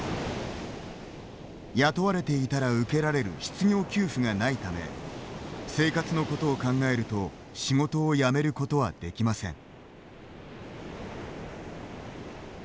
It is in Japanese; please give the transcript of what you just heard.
雇われていたら受けられる失業給付がないため生活のことを考えると仕事を辞めることはできません。